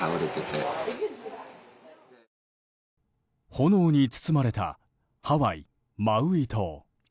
炎に包まれたハワイ・マウイ島。